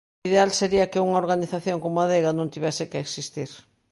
O ideal sería que unha organización como Adega non tivese que existir.